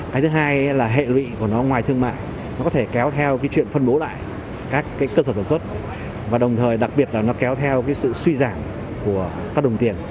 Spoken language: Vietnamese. cái thứ hai là hệ lụy của nó ngoài thương mại nó có thể kéo theo cái chuyện phân bố lại các cơ sở sản xuất và đồng thời đặc biệt là nó kéo theo cái sự suy giảm của các đồng tiền